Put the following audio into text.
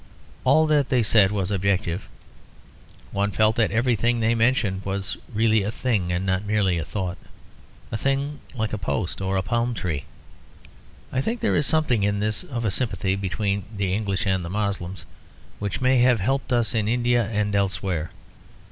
All that they said was objective; one felt that everything they mentioned was really a thing and not merely a thought; a thing like a post or a palm tree. I think there is something in this of a sympathy between the English and the Moslems, which may have helped us in India and elsewhere.